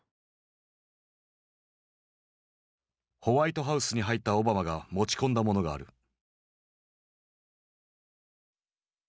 ホワイトハウスに入ったオバマが持ち込んだものがある。